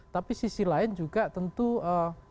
tapi sisi lain juga tentu bisa katakanlah menyebabkan